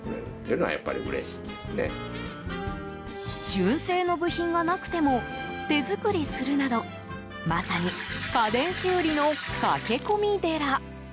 純正の部品がなくても手作りするなどまさに、家電修理の駆け込み寺。